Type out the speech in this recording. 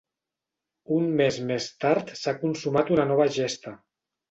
Un mes més tard s'ha consumat una nova gesta.